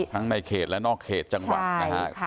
ทั้งในเขตและนอกเขตจังหวัดนะคะ